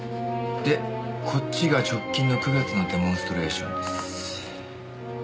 でこっちが直近の９月のデモンストレーションです。